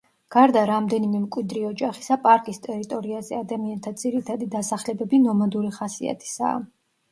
გარდა რამდენიმე მკვიდრი ოჯახისა, პარკის ტერიტორიაზე ადამიანთა ძირითადი დასახლებები ნომადური ხასიათისაა.